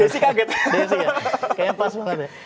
desi ya kayaknya pas banget ya